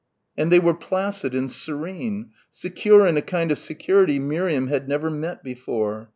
And they were placid and serene, secure in a kind of security Miriam had never met before.